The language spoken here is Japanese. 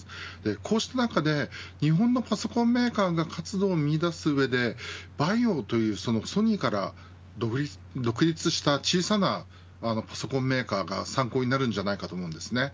こうした中で日本のパソコンメーカーが活路を見いだす上でＶＡＩＯという、ソニーから独立した小さなパソコンメーカーが参考になるかと思います。